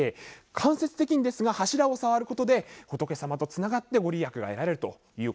間接的にですが、柱を触ることで仏様とつながって御利益を得られると。